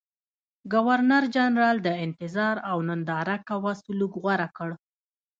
ګورنرجنرال د انتظار او ننداره کوه سلوک غوره کړ.